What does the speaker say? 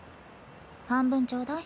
半分ちょうだい。